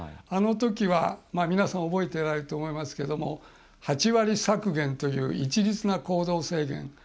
あのときは皆さん覚えていると思いますけど８割削減という一律な行動制限。